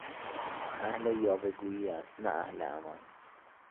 اهل یاوهگویی است نه اهل عمل.